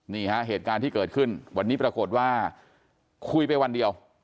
เหตุการณ์ที่เกิดขึ้นวันนี้ปรากฏว่าคุยไปวันเดียว